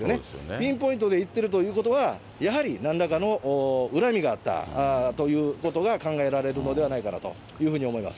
ピンポイントで行ってるっていうことはやはりなんらかの恨みがあったということが考えられるのではないかなというふうに思います。